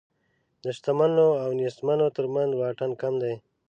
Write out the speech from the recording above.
د شتمنو او نېستمنو تر منځ واټن کم دی.